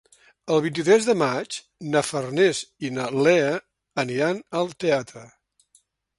El vint-i-tres de maig na Farners i na Lea aniran al teatre.